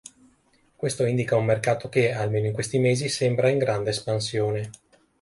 Questo indica un mercato che, almeno in questi mesi, sembra in grande espansione.